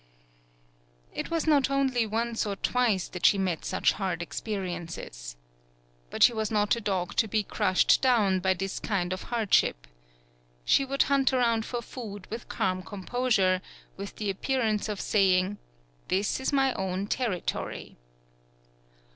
It was not only once or twice that she 122 A DOMESTIC ANIMAL met such hard experiences. But she was not a dog to be crushed down by this kind of hardship. She would hunt around for food with calm composure, with the appearance of saying: "This is my own territory."